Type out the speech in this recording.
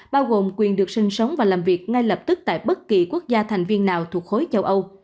bao gồm quyền được sinh sống và làm việc ngay lập tức tại bất kỳ quốc gia thành viên nào thuộc khối châu âu